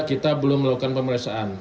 kita belum melakukan pemeriksaan